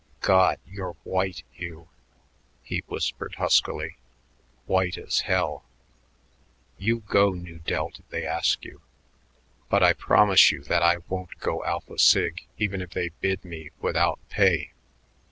"God! you're white, Hugh," he whispered huskily, "white as hell. You go Nu Delt if they ask you but I promise you that I won't go Alpha Sig even if they bid me without pay."